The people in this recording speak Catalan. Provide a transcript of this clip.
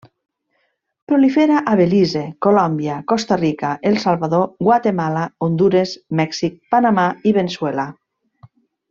Prolifera a Belize, Colòmbia, Costa Rica, El Salvador, Guatemala, Hondures, Mèxic, Panamà i Veneçuela.